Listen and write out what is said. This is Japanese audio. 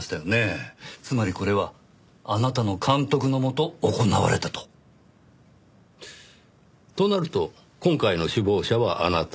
つまりこれはあなたの監督の下行われたと？となると今回の首謀者はあなた。